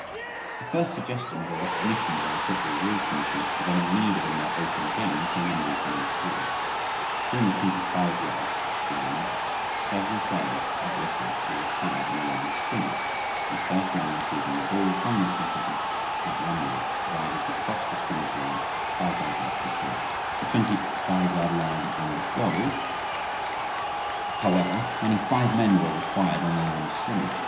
The first suggestion of a recognition by the football rules committee of any need of a more open game came in 1903. Between the twenty five yard lines seven players of the offense were required on the line of scrimmage and the first man receiving the ball from the snapper back might run with it provided he crossed the scrimmage line five yards out from center (Football Guide for 1903, pp. 127 and 142). Between the twenty five yard line and the goal, however, only five men were required on the line of scrimmage.